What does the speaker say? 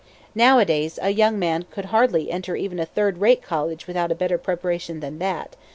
Nowadays, a young man could hardly enter even a third rate college without a better preparation than that.